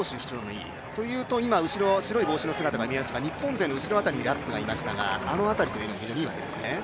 というと、後ろ白い帽子が見えましたが日本勢の後ろ辺りにラップがいましたがあの辺りがいいわけですね？